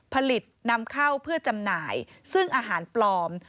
ผลิตนำเข้าเพื่อจำหน่ายซึ่งอาหารปลอม